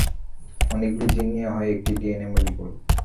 অনেকগুলি জীন নিয়ে হয় একটি ডিএনএ মলিকুল।